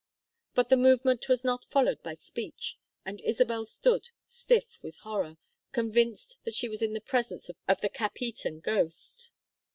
But the movement was not followed by speech, and Isabel stood, stiff with horror, convinced that she was in the presence of the Capheaton ghost.